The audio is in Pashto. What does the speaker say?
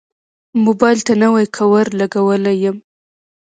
موبایل ته نوی کوور لګولی یم.